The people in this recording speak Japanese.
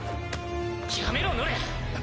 やめろノレア。